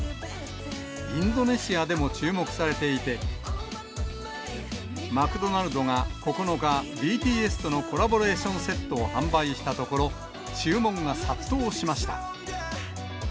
インドネシアでも注目されていて、マクドナルドが９日、ＢＴＳとのコラボレーションセットを販売したところ、注文が殺到しました。